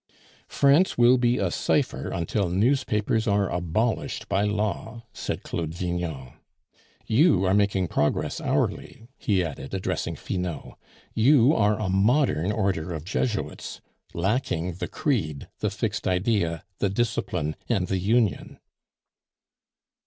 "France will be a cipher until newspapers are abolished by law," said Claude Vignon. "You are making progress hourly," he added, addressing Finot. "You are a modern order of Jesuits, lacking the creed, the fixed idea, the discipline, and the union."